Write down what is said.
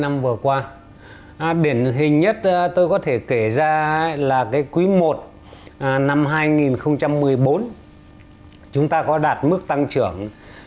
mức tăng trưởng hai tám